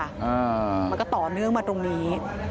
มันก็ต่อเนื่องมาตรงนี้